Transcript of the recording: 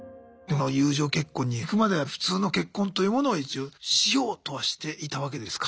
友情結婚にいくまでは普通の結婚というものを一応しようとはしていたわけですか？